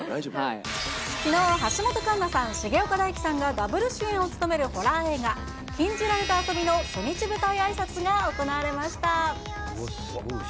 きのう、橋本環奈さん、重岡大毅さんがダブル主演を務めるホラー映画、禁じられた遊びの初日舞台あいさつが行われました。